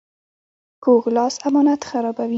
کوږ لاس امانت خرابوي